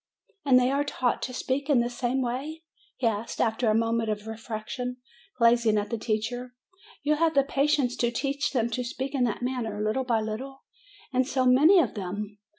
"And they are taught to speak in the same way?" he asked, after a moment of reflection, gazing at the teacher. 'You have the patience to teach them to speak in that manner, little by little, and so many of them?